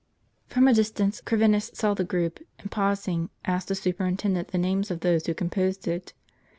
From a distance Corvinus saw the group ; and pausing, asked the superintendent the names of those who composed it.